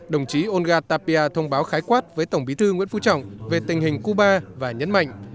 đồng chí olga tapia thông báo khái quát với tổng bí thư nguyễn phú trọng về tình hình cuba và nhấn mạnh